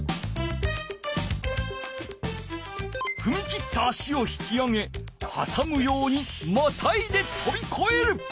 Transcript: ふみ切った足を引き上げはさむようにまたいでとびこえる。